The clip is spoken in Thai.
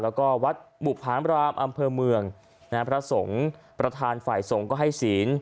แล้วก็วัดบุภามรามอำเภอเมืองนะฮะพระสงฆ์ประธานฝ่ายสงฆ์ก็ให้ศีล